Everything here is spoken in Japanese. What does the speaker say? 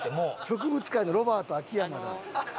植物界のロバート秋山だ。